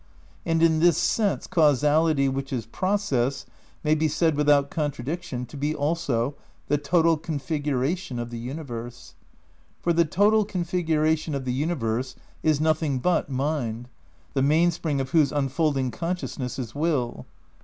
And in this sense causality which is process, may be said without contradiction to be also the total configuration of the universe. For the total configuration of the universe is nothing but mind, the mainspring of whose unfolding consciousness is will.